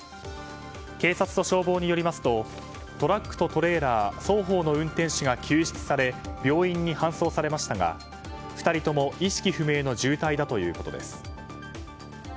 警察と消防によりますとトラックとトレーラー双方の運転手が救出され病院に搬送されましたが２人とも意識不明の重体だということです。